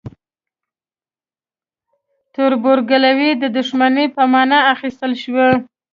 تربورګلوي د دښمنۍ په معنی اخیستل شوی.